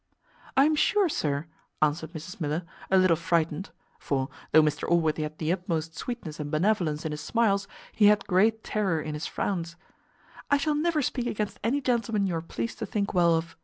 "I am sure, sir," answered Mrs Miller, a little frightened (for, though Mr Allworthy had the utmost sweetness and benevolence in his smiles, he had great terror in his frowns), "I shall never speak against any gentleman you are pleased to think well of.